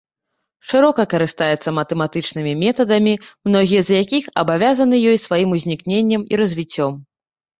Шырока карыстаецца матэматычнымі метадамі, многія з якіх абавязаны ёй сваім узнікненнем і развіццём.